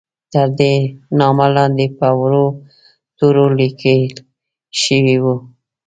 تر دې نامه لاندې په وړو تورو لیکل شوي وو.